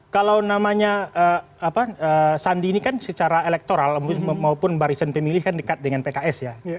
kalau namanya sandi ini kan secara elektoral maupun barisan pemilih kan dekat dengan pks ya